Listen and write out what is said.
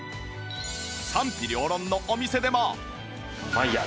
賛否両論のお店でも